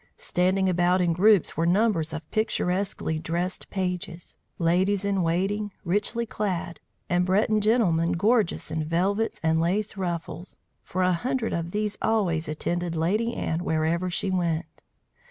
Standing about in groups were numbers of picturesquely dressed pages, ladies in waiting, richly clad, and Breton gentlemen gorgeous in velvets and lace ruffles, for a hundred of these always attended Lady Anne wherever she went.